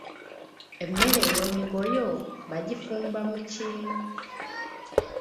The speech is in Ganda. Emmere ey’omugoyo bagifumba mu ki ?